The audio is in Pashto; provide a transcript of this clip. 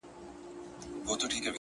ستا سومه ـچي ستا سومه ـچي ستا سومه ـ